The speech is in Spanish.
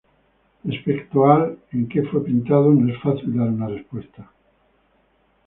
Respecto al en que fue pintado, no es fácil dar una respuesta.